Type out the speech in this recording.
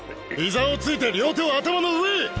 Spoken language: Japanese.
膝をついて両手を頭の上へ！